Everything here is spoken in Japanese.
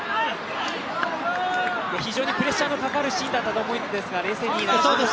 非常にプレッシャーのかかるシーンだったと思いますが冷静にいけました。